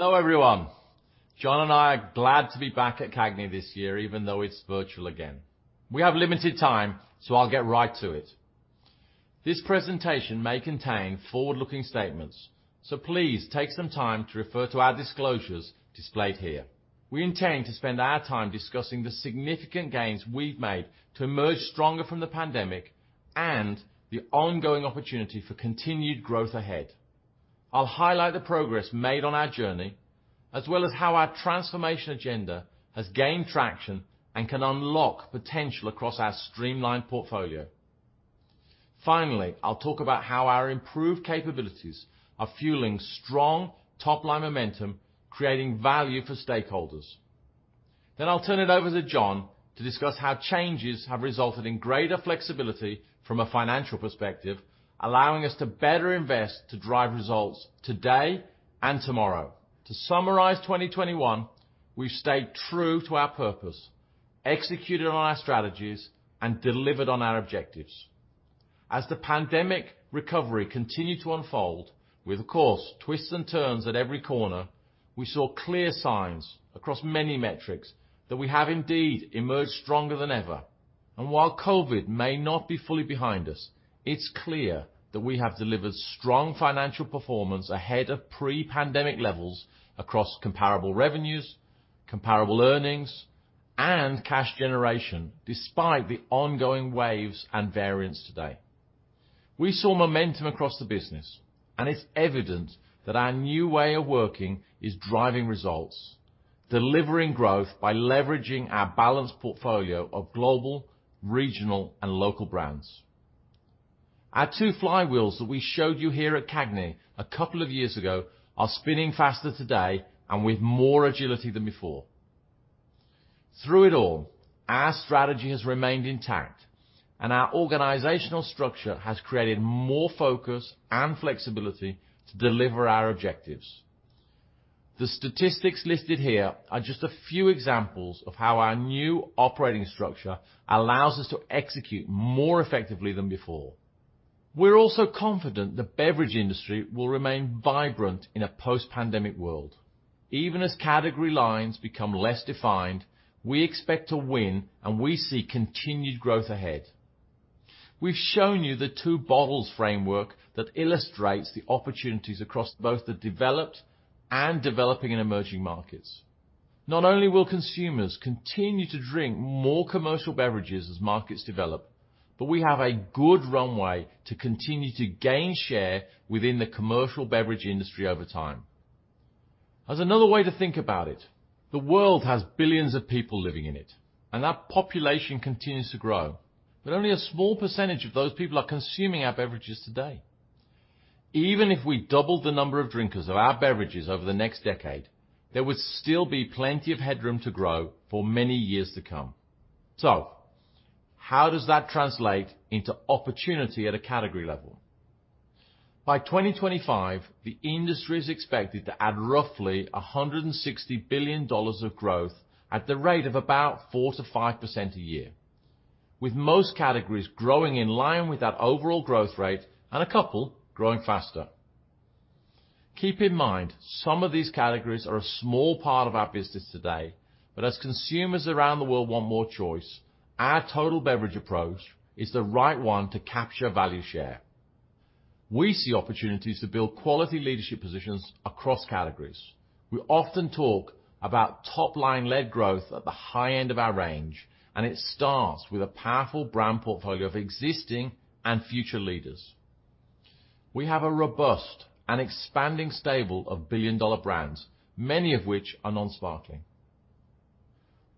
Hello, everyone. John and I are glad to be back at CAGNY this year, even though it's virtual again. We have limited time, so I'll get right to it. This presentation may contain forward-looking statements, so please take some time to refer to our disclosures displayed here. We intend to spend our time discussing the significant gains we've made to emerge stronger from the pandemic and the ongoing opportunity for continued growth ahead. I'll highlight the progress made on our journey, as well as how our transformation agenda has gained traction and can unlock potential across our streamlined portfolio. Finally, I'll talk about how our improved capabilities are fueling strong top-line momentum, creating value for stakeholders. I'll turn it over to John to discuss how changes have resulted in greater flexibility from a financial perspective, allowing us to better invest to drive results today and tomorrow. To summarize 2021, we've stayed true to our purpose, executed on our strategies, and delivered on our objectives. As the pandemic recovery continued to unfold with, of course, twists and turns at every corner, we saw clear signs across many metrics that we have indeed emerged stronger than ever. While COVID may not be fully behind us, it's clear that we have delivered strong financial performance ahead of pre-pandemic levels across comparable revenues, comparable earnings, and cash generation, despite the ongoing waves and variants today. We saw momentum across the business, and it's evident that our new way of working is driving results, delivering growth by leveraging our balanced portfolio of global, regional, and local brands. Our two flywheels that we showed you here at CAGNY a couple of years ago are spinning faster today and with more agility than before. Through it all, our strategy has remained intact, and our organizational structure has created more focus and flexibility to deliver our objectives. The statistics listed here are just a few examples of how our new operating structure allows us to execute more effectively than before. We're also confident the beverage industry will remain vibrant in a post-pandemic world. Even as category lines become less defined, we expect to win, and we see continued growth ahead. We've shown you the two bottles framework that illustrates the opportunities across both the developed and developing and emerging markets. Not only will consumers continue to drink more commercial beverages as markets develop, but we have a good runway to continue to gain share within the commercial beverage industry over time. As another way to think about it, the world has billions of people living in it, and that population continues to grow, but only a small percentage of those people are consuming our beverages today. Even if we doubled the number of drinkers of our beverages over the next decade, there would still be plenty of headroom to grow for many years to come. How does that translate into opportunity at a category level? By 2025, the industry is expected to add roughly $160 billion of growth at the rate of about 4%-5% a year, with most categories growing in line with that overall growth rate and a couple growing faster. Keep in mind, some of these categories are a small part of our business today, but as consumers around the world want more choice, our total beverage approach is the right one to capture value share. We see opportunities to build quality leadership positions across categories. We often talk about top-line-led growth at the high end of our range, and it starts with a powerful brand portfolio of existing and future leaders. We have a robust and expanding stable of billion-dollar brands, many of which are non-sparkling.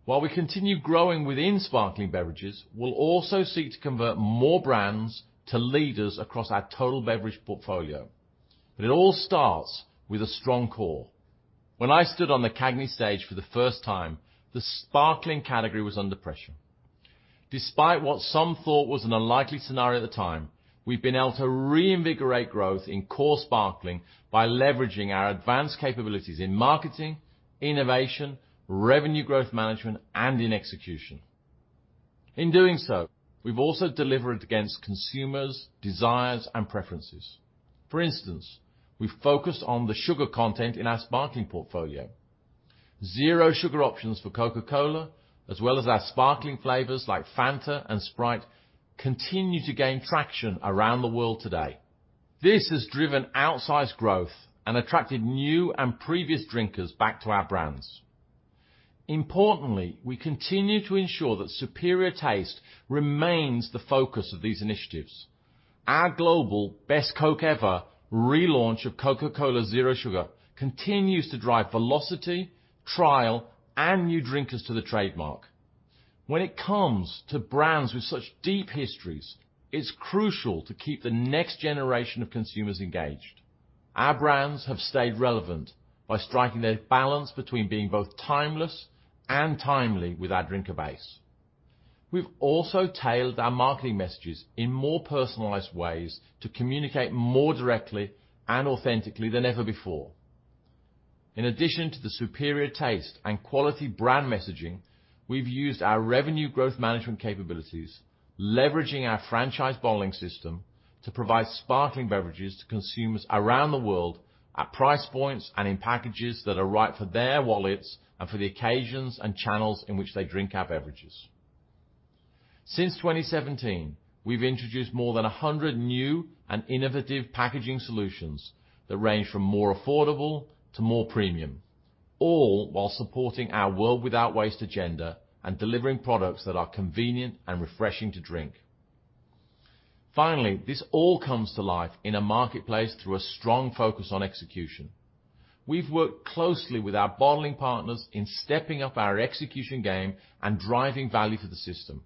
While we continue growing within sparkling beverages, we'll also seek to convert more brands to leaders across our total beverage portfolio. It all starts with a strong core. When I stood on the CAGNY stage for the first time, the sparkling category was under pressure. Despite what some thought was an unlikely scenario at the time, we've been able to reinvigorate growth in core sparkling by leveraging our advanced capabilities in marketing, innovation, revenue growth management, and in execution. In doing so, we've also delivered against consumers' desires and preferences. For instance, we focused on the sugar content in our sparkling portfolio. Zero sugar options for Coca-Cola, as well as our sparkling flavors like Fanta and Sprite, continue to gain traction around the world today. This has driven outsized growth and attracted new and previous drinkers back to our brands. Importantly, we continue to ensure that superior taste remains the focus of these initiatives. Our global best Coke ever relaunch of Coca-Cola Zero Sugar continues to drive velocity, trial, and new drinkers to the trademark. When it comes to brands with such deep histories, it's crucial to keep the next generation of consumers engaged. Our brands have stayed relevant by striking a balance between being both timeless and timely with our drinker base. We've also tailored our marketing messages in more personalized ways to communicate more directly and authentically than ever before. In addition to the superior taste and quality brand messaging, we've used our revenue growth management capabilities, leveraging our franchise bottling system to provide sparkling beverages to consumers around the world at price points and in packages that are right for their wallets and for the occasions and channels in which they drink our beverages. Since 2017, we've introduced more than 100 new and innovative packaging solutions that range from more affordable to more premium, all while supporting our World Without Waste agenda and delivering products that are convenient and refreshing to drink. Finally, this all comes to life in a marketplace through a strong focus on execution. We've worked closely with our bottling partners in stepping up our execution game and driving value to the system.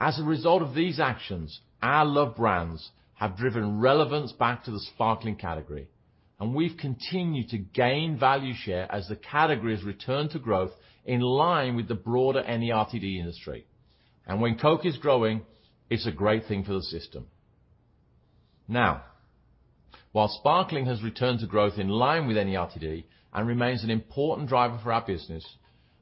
As a result of these actions, our love brands have driven relevance back to the sparkling category, and we've continued to gain value share as the category's return to growth in line with the broader NERTD industry. When Coke is growing, it's a great thing for the system. Now, while sparkling has returned to growth in line with NERTD and remains an important driver for our business,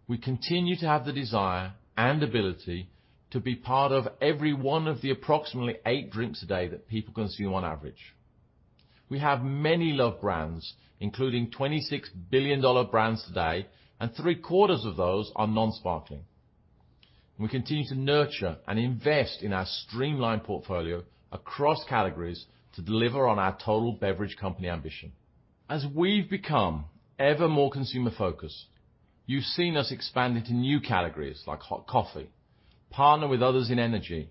we continue to have the desire and ability to be part of every one of the approximately eight drinks a day that people consume on average. We have many love brands, including 26 billion-dollar brands today, and three-quarters of those are non-sparkling. We continue to nurture and invest in our streamlined portfolio across categories to deliver on our total beverage company ambition. As we've become ever more consumer-focused, you've seen us expand into new categories like hot coffee, partner with others in energy,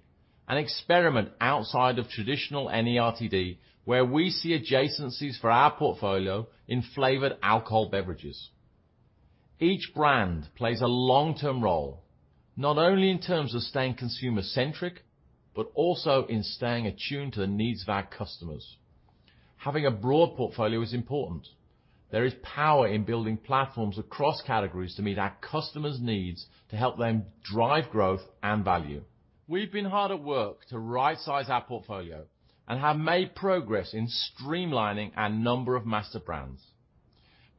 and experiment outside of traditional NERTD, where we see adjacencies for our portfolio in flavored alcohol beverages. Each brand plays a long-term role, not only in terms of staying consumer centric, but also in staying attuned to the needs of our customers. Having a broad portfolio is important. There is power in building platforms across categories to meet our customers' needs to help them drive growth and value. We've been hard at work to rightsize our portfolio and have made progress in streamlining our number of master brands.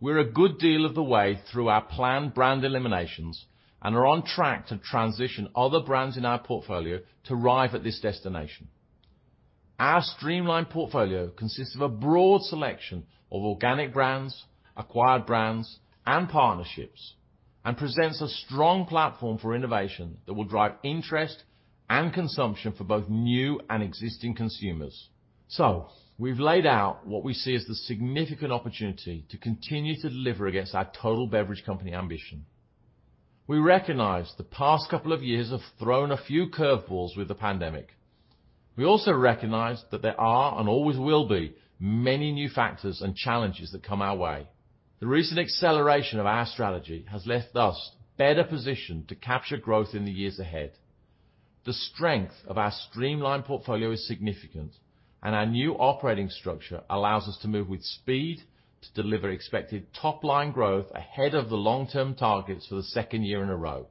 We're a good deal of the way through our planned brand eliminations and are on track to transition other brands in our portfolio to arrive at this destination. Our streamlined portfolio consists of a broad selection of organic brands, acquired brands, and partnerships, and presents a strong platform for innovation that will drive interest and consumption for both new and existing consumers. We've laid out what we see as the significant opportunity to continue to deliver against our total beverage company ambition. We recognize the past couple of years have thrown a few curve balls with the pandemic. We also recognize that there are and always will be many new factors and challenges that come our way. The recent acceleration of our strategy has left us better positioned to capture growth in the years ahead. The strength of our streamlined portfolio is significant, and our new operating structure allows us to move with speed to deliver expected top-line growth ahead of the long-term targets for the second year in a row.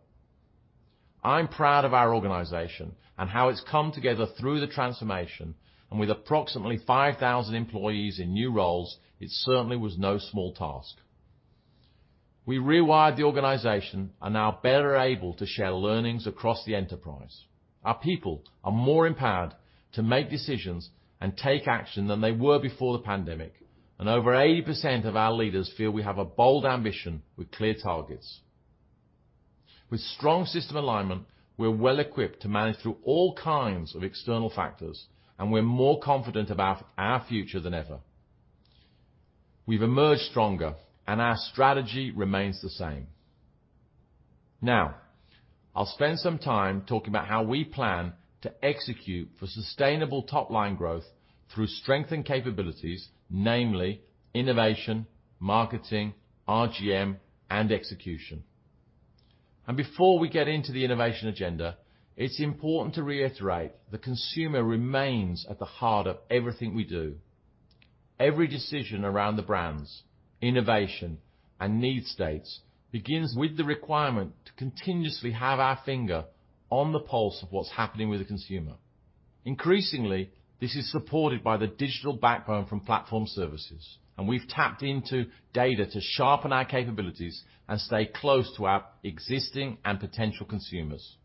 I'm proud of our organization and how it's come together through the transformation, and with approximately 5,000 employees in new roles, it certainly was no small task. We rewired the organization and are now better able to share learnings across the enterprise. Our people are more empowered to make decisions and take action than they were before the pandemic, and over 80% of our leaders feel we have a bold ambition with clear targets. With strong system alignment, we're well equipped to manage through all kinds of external factors, and we're more confident about our future than ever. We've emerged stronger, and our strategy remains the same. Now, I'll spend some time talking about how we plan to execute for sustainable top-line growth through strength and capabilities, namely innovation, marketing, RGM, and execution. Before we get into the innovation agenda, it's important to reiterate the consumer remains at the heart of everything we do. Every decision around the brands, innovation, and need states begins with the requirement to continuously have our finger on the pulse of what's happening with the consumer. Increasingly, this is supported by the digital backbone from platform services, and we've tapped into data to sharpen our capabilities and stay close to our existing and potential consumers.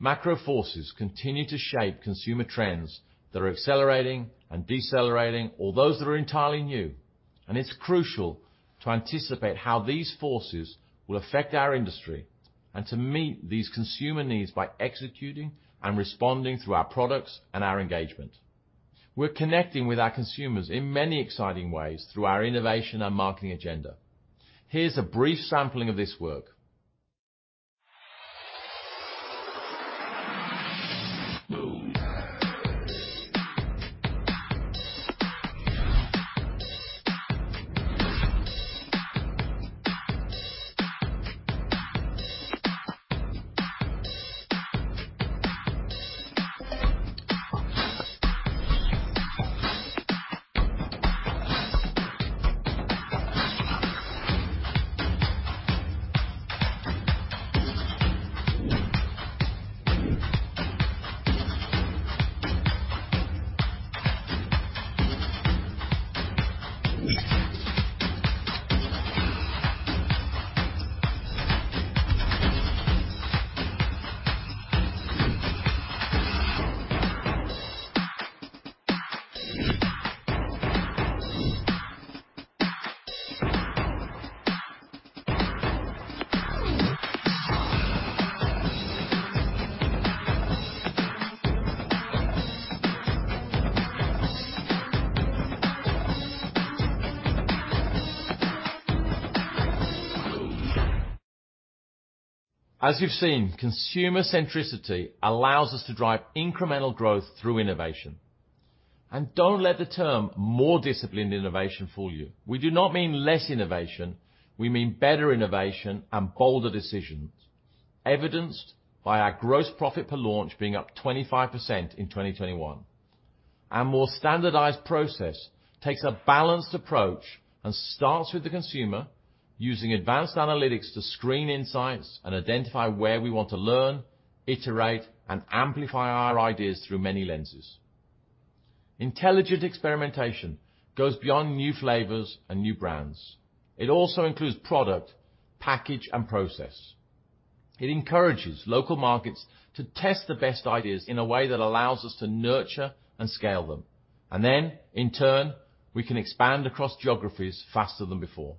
Macro forces continue to shape consumer trends that are accelerating and decelerating, or those that are entirely new. It's crucial to anticipate how these forces will affect our industry and to meet these consumer needs by executing and responding through our products and our engagement. We're connecting with our consumers in many exciting ways through our innovation and marketing agenda. Here's a brief sampling of this work. As you've seen, consumer centricity allows us to drive incremental growth through innovation. Don't let the term more disciplined innovation fool you. We do not mean less innovation. We mean better innovation and bolder decisions, evidenced by our gross profit per launch being up 25% in 2021. Our more standardized process takes a balanced approach and starts with the consumer using advanced analytics to screen insights and identify where we want to learn, iterate, and amplify our ideas through many lenses. Intelligent experimentation goes beyond new flavors and new brands. It also includes product, package, and process. It encourages local markets to test the best ideas in a way that allows us to nurture and scale them, and then, in turn, we can expand across geographies faster than before.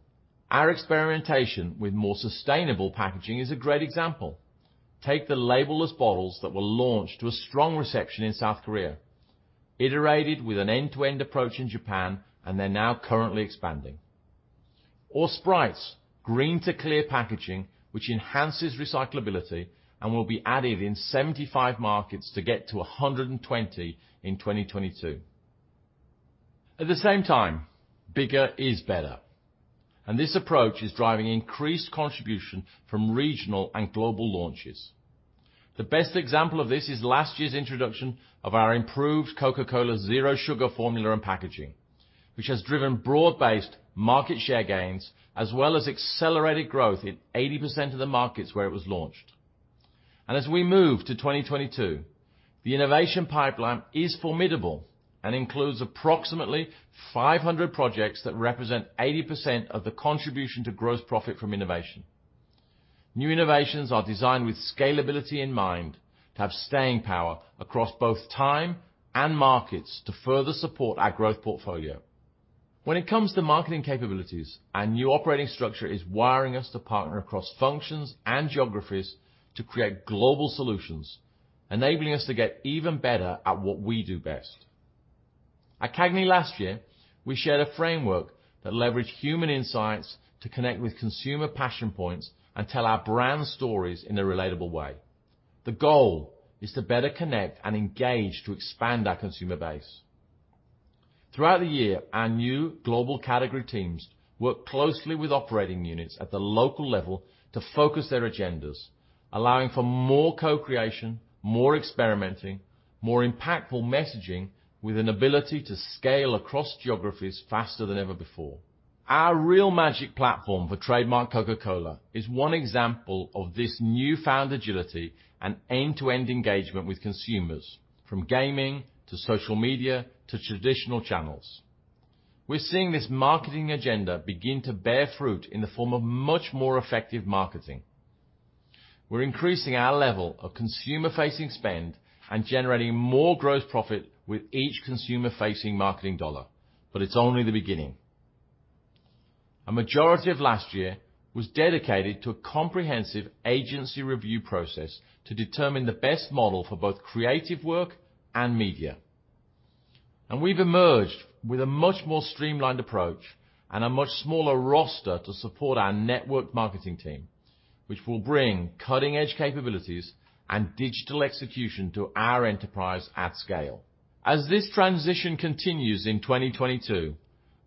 Our experimentation with more sustainable packaging is a great example. Take the labelless bottles that were launched to a strong reception in South Korea, iterated with an end-to-end approach in Japan, and they're now currently expanding. Sprite's green to clear packaging, which enhances recyclability and will be added in 75 markets to get to 120 in 2022. At the same time, bigger is better, and this approach is driving increased contribution from regional and global launches. The best example of this is last year's introduction of our improved Coca-Cola Zero Sugar formula and packaging, which has driven broad-based market share gains as well as accelerated growth in 80% of the markets where it was launched. As we move to 2022, the innovation pipeline is formidable and includes approximately 500 projects that represent 80% of the contribution to gross profit from innovation. New innovations are designed with scalability in mind to have staying power across both time and markets to further support our growth portfolio. When it comes to marketing capabilities, our new operating structure is wiring us to partner across functions and geographies to create global solutions, enabling us to get even better at what we do best. At CAGNY last year, we shared a framework that leveraged human insights to connect with consumer passion points and tell our brand stories in a relatable way. The goal is to better connect and engage to expand our consumer base. Throughout the year, our new global category teams worked closely with operating units at the local level to focus their agendas, allowing for more co-creation, more experimenting, more impactful messaging with an ability to scale across geographies faster than ever before. Our Real Magic platform for trademark Coca-Cola is one example of this newfound agility and end-to-end engagement with consumers, from gaming, to social media, to traditional channels. We're seeing this marketing agenda begin to bear fruit in the form of much more effective marketing. We're increasing our level of consumer-facing spend and generating more gross profit with each consumer-facing marketing dollar, but it's only the beginning. A majority of last year was dedicated to a comprehensive agency review process to determine the best model for both creative work and media. We've emerged with a much more streamlined approach and a much smaller roster to support our network marketing team, which will bring cutting-edge capabilities and digital execution to our enterprise at scale. As this transition continues in 2022,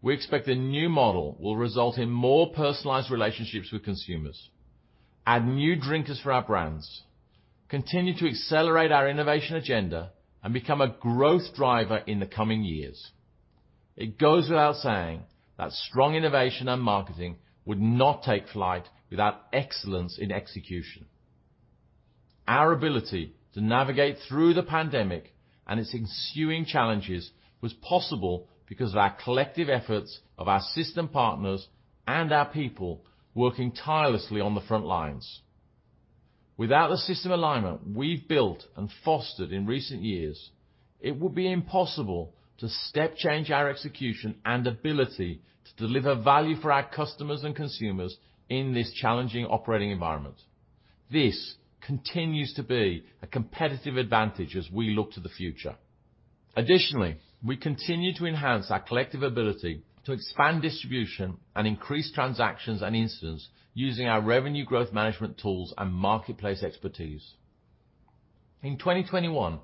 we expect the new model will result in more personalized relationships with consumers, add new drinkers for our brands, continue to accelerate our innovation agenda, and become a growth driver in the coming years. It goes without saying that strong innovation and marketing would not take flight without excellence in execution. Our ability to navigate through the pandemic and its ensuing challenges was possible because of our collective efforts of our system partners and our people working tirelessly on the front lines. Without the system alignment we've built and fostered in recent years, it would be impossible to step change our execution and ability to deliver value for our customers and consumers in this challenging operating environment. This continues to be a competitive advantage as we look to the future. Additionally, we continue to enhance our collective ability to expand distribution and increase transactions and instances using our revenue growth management tools and marketplace expertise. In 2021,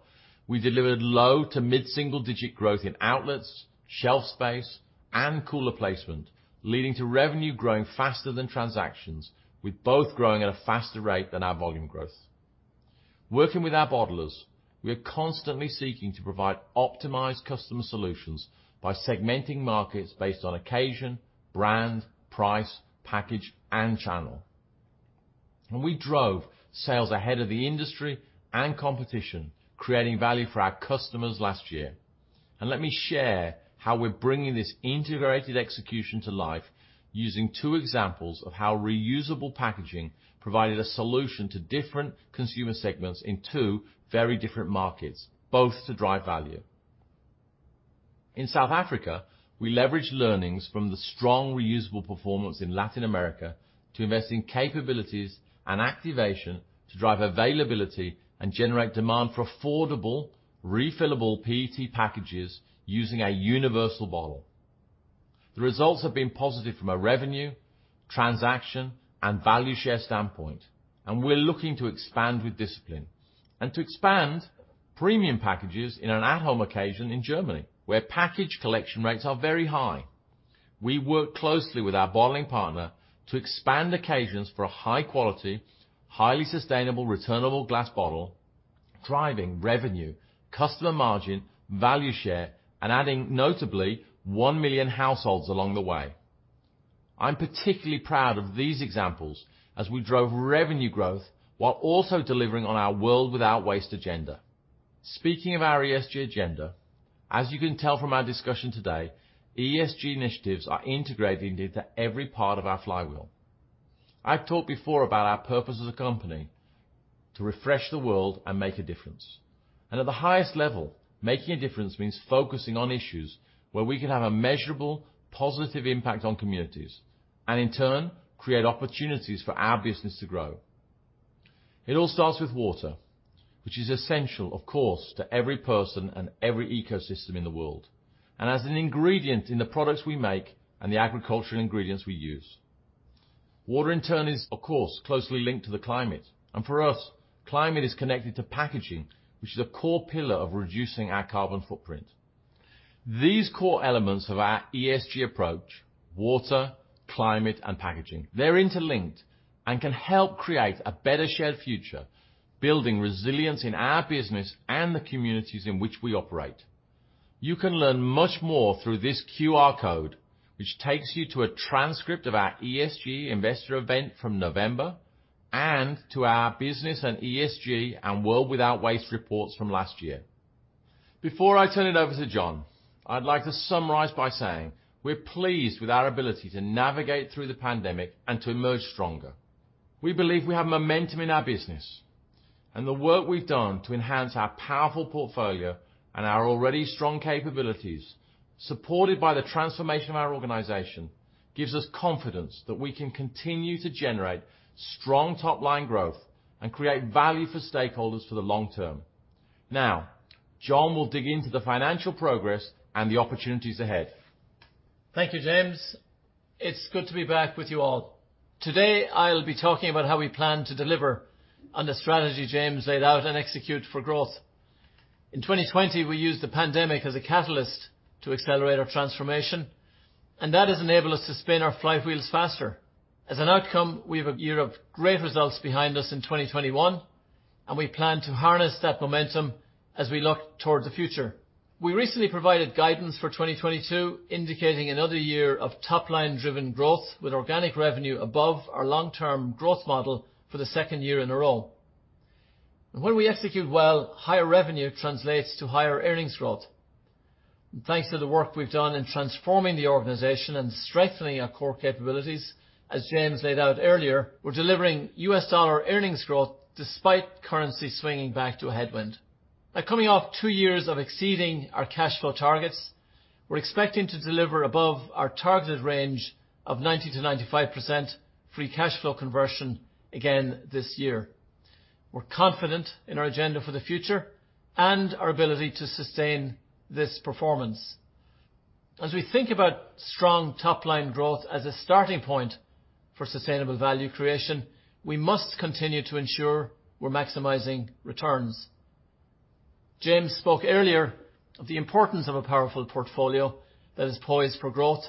we delivered low to mid-single-digit growth in outlets, shelf space, and cooler placement, leading to revenue growing faster than transactions, with both growing at a faster rate than our volume growth. Working with our bottlers, we are constantly seeking to provide optimized customer solutions by segmenting markets based on occasion, brand, price, package, and channel. We drove sales ahead of the industry and competition, creating value for our customers last year. Let me share how we're bringing this integrated execution to life using two examples of how reusable packaging provided a solution to different consumer segments in two very different markets, both to drive value. In South Africa, we leverage learnings from the strong reusable performance in Latin America to invest in capabilities and activation to drive availability and generate demand for affordable, refillable PET packages using a universal bottle. The results have been positive from a revenue, transaction, and value share standpoint, and we're looking to expand with discipline. To expand premium packages in an at-home occasion in Germany, where package collection rates are very high, we work closely with our bottling partner to expand occasions for a high quality, highly sustainable returnable glass bottle, driving revenue, customer margin, value share, and adding notably 1 million households along the way. I'm particularly proud of these examples as we drove revenue growth while also delivering on our World Without Waste agenda. Speaking of our ESG agenda, as you can tell from our discussion today, ESG initiatives are integrated into every part of our flywheel. I've talked before about our purpose as a company to refresh the world and make a difference. At the highest level, making a difference means focusing on issues where we can have a measurable, positive impact on communities, and in turn, create opportunities for our business to grow. It all starts with water, which is essential, of course, to every person and every ecosystem in the world and as an ingredient in the products we make and the agricultural ingredients we use. Water in turn is of course closely linked to the climate. For us, climate is connected to packaging, which is a core pillar of reducing our carbon footprint. These core elements of our ESG approach, water, climate, and packaging, they're interlinked and can help create a better shared future, building resilience in our business and the communities in which we operate. You can learn much more through this QR code, which takes you to a transcript of our ESG investor event from November and to our business and ESG and World Without Waste reports from last year. Before I turn it over to John, I'd like to summarize by saying we're pleased with our ability to navigate through the pandemic and to emerge stronger. We believe we have momentum in our business. The work we've done to enhance our powerful portfolio and our already strong capabilities, supported by the transformation of our organization, gives us confidence that we can continue to generate strong top-line growth and create value for stakeholders for the long term. Now, John will dig into the financial progress and the opportunities ahead. Thank you, James. It's good to be back with you all. Today, I'll be talking about how we plan to deliver on the strategy James laid out and execute for growth. In 2020, we used the pandemic as a catalyst to accelerate our transformation, and that has enabled us to spin our flywheels faster. As an outcome, we have a year of great results behind us in 2021, and we plan to harness that momentum as we look towards the future. We recently provided guidance for 2022, indicating another year of top-line driven growth with organic revenue above our long-term growth model for the second year in a row. When we execute well, higher revenue translates to higher earnings growth. Thanks to the work we've done in transforming the organization and strengthening our core capabilities, as James laid out earlier, we're delivering U.S. dollar earnings growth despite currency swinging back to a headwind. By coming off two years of exceeding our cash flow targets, we're expecting to deliver above our targeted range of 90%-95% free cash flow conversion again this year. We're confident in our agenda for the future and our ability to sustain this performance. As we think about strong top-line growth as a starting point for sustainable value creation, we must continue to ensure we're maximizing returns. James spoke earlier of the importance of a powerful portfolio that is poised for growth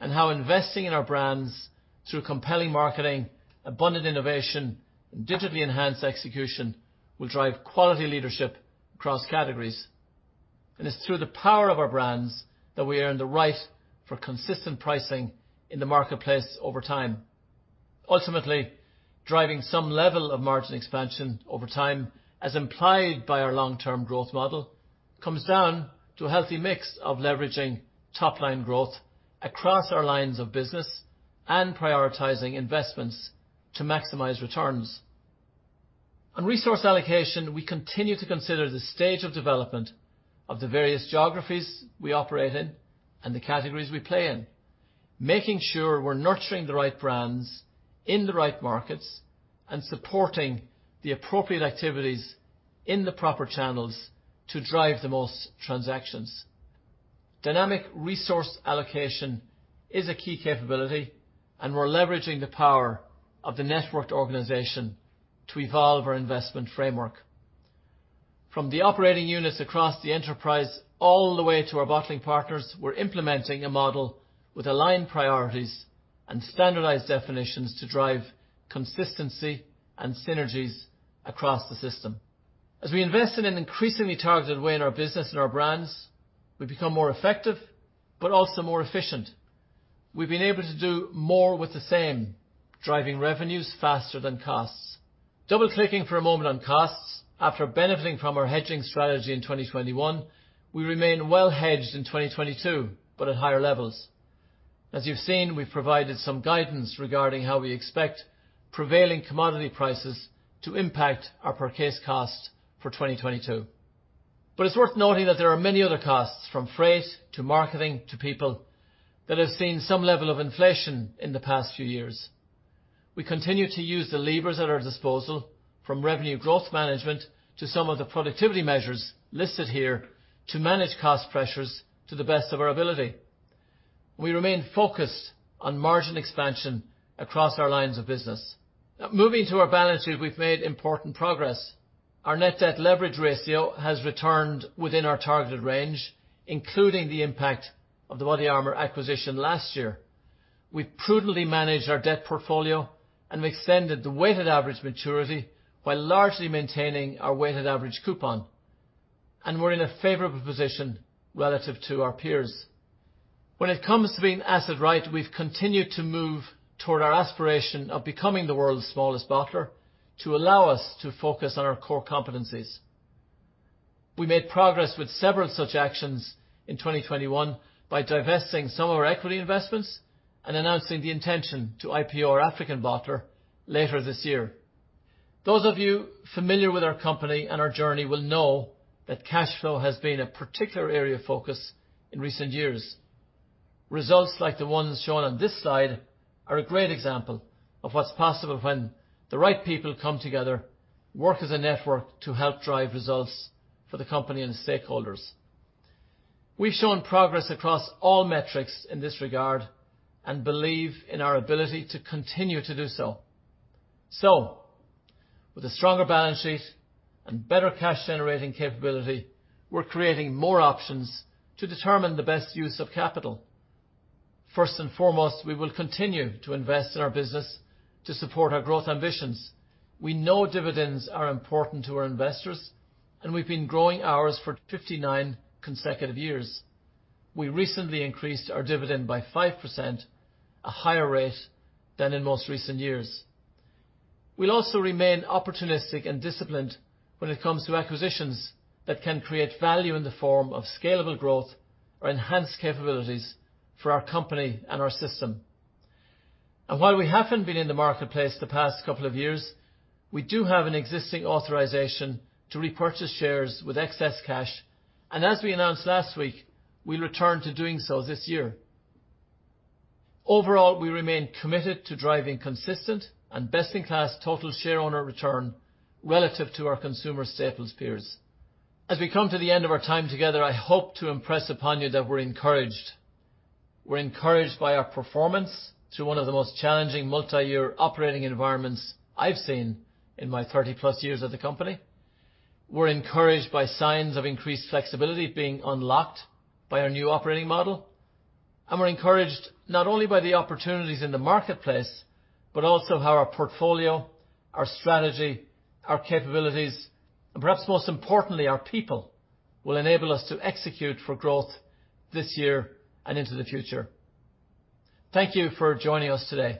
and how investing in our brands through compelling marketing, abundant innovation, and digitally enhanced execution will drive quality leadership across categories. It's through the power of our brands that we earn the right for consistent pricing in the marketplace over time. Ultimately, driving some level of margin expansion over time, as implied by our long-term growth model, comes down to a healthy mix of leveraging top-line growth across our lines of business and prioritizing investments to maximize returns. On resource allocation, we continue to consider the stage of development of the various geographies we operate in and the categories we play in, making sure we're nurturing the right brands in the right markets and supporting the appropriate activities in the proper channels to drive the most transactions. Dynamic resource allocation is a key capability, and we're leveraging the power of the networked organization to evolve our investment framework. From the operating units across the enterprise all the way to our bottling partners, we're implementing a model with aligned priorities and standardized definitions to drive consistency and synergies across the system. As we invest in an increasingly targeted way in our business and our brands, we become more effective but also more efficient. We've been able to do more with the same, driving revenues faster than costs. Double-clicking for a moment on costs, after benefiting from our hedging strategy in 2021, we remain well hedged in 2022, but at higher levels. As you've seen, we've provided some guidance regarding how we expect prevailing commodity prices to impact our per case cost for 2022. It's worth noting that there are many other costs from freight to marketing to people that have seen some level of inflation in the past few years. We continue to use the levers at our disposal from revenue growth management to some of the productivity measures listed here to manage cost pressures to the best of our ability. We remain focused on margin expansion across our lines of business. Moving to our balance sheet, we've made important progress. Our net debt leverage ratio has returned within our targeted range, including the impact of the BODYARMOR acquisition last year. We prudently managed our debt portfolio and extended the weighted average maturity while largely maintaining our weighted average coupon. We're in a favorable position relative to our peers. When it comes to being asset-light, we've continued to move toward our aspiration of becoming the world's smallest bottler to allow us to focus on our core competencies. We made progress with several such actions in 2021 by divesting some of our equity investments and announcing the intention to IPO our African bottler later this year. Those of you familiar with our company and our journey will know that cash flow has been a particular area of focus in recent years. Results like the ones shown on this slide are a great example of what's possible when the right people come together, work as a network to help drive results for the company and stakeholders. We've shown progress across all metrics in this regard and believe in our ability to continue to do so. With a stronger balance sheet and better cash generating capability, we're creating more options to determine the best use of capital. First and foremost, we will continue to invest in our business to support our growth ambitions. We know dividends are important to our investors, and we've been growing ours for 59 consecutive years. We recently increased our dividend by 5%, a higher rate than in most recent years. We'll also remain opportunistic and disciplined when it comes to acquisitions that can create value in the form of scalable growth or enhanced capabilities for our company and our system. While we haven't been in the marketplace the past couple of years, we do have an existing authorization to repurchase shares with excess cash. As we announced last week, we return to doing so this year. Overall, we remain committed to driving consistent and best-in-class total share owner return relative to our consumer staples peers. As we come to the end of our time together, I hope to impress upon you that we're encouraged. We're encouraged by our performance through one of the most challenging multi-year operating environments I've seen in my 30-plus years at the company. We're encouraged by signs of increased flexibility being unlocked by our new operating model. We're encouraged not only by the opportunities in the marketplace, but also how our portfolio, our strategy, our capabilities, and perhaps most importantly, our people, will enable us to execute for growth this year and into the future. Thank you for joining us today.